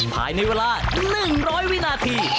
ภายในเวลา๑๐๐วินาที